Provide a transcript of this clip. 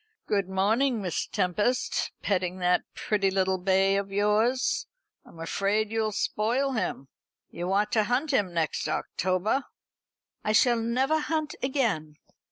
"Good morning, Miss Tempest. Petting that pretty little bay of yours? I'm afraid you'll spoil him. You ought to hunt him next October." "I shall never hunt again."